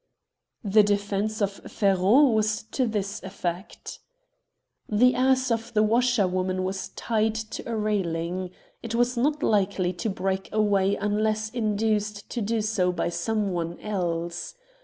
The defence of Ferron was to this effect :—" The ass of the washerwoman was tied to a rail 210 The Jackass of Vanvres ing. It was not likely to break away unless induced to do so by some one else.